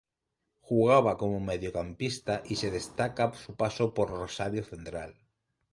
Jugaba como mediocampista y se destaca su paso por Rosario Central.